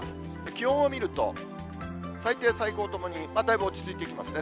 気温を見ると、最低、最高ともにだいぶ落ち着いてきますね。